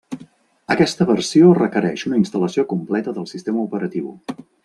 Aquesta versió requereix una instal·lació completa del sistema operatiu.